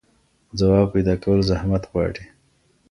ځواب پيدا کول زحمت غواړي.